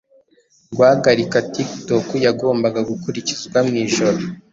guhagarika TikTok yagombaga gukurikizwa mu ijoro